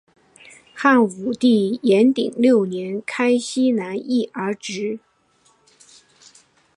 汉武帝元鼎六年开西南夷而置。